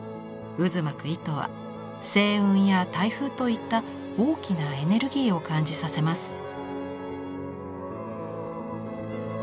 渦巻く糸は星雲や台風といった大きなエネルギーを感じさせます。